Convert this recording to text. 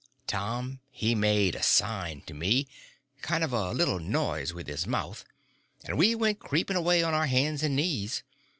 Tom he made a sign to me—kind of a little noise with his mouth—and we went creeping away on our hands and knees.